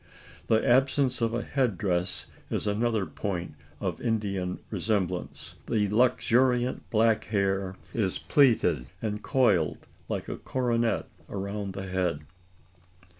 The absence of a head dress is another point of Indian resemblance. The luxuriant black hair is plaited, and coiled like a coronet around the head.